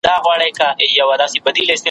تر دوو سترګو یې بڅري غورځېدله ,